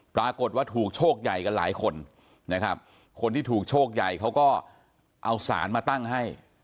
ปรากฏว่าถูกโชคใหญ่กันหลายคนนะครับคนที่ถูกโชคใหญ่เขาก็เอาสารมาตั้งให้